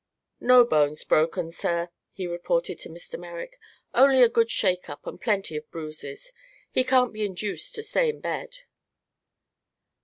"No bones broken, sir," he reported to Mr. Merrick. "Only a good shake up and plenty of bruises. He can't be induced to stay in bed."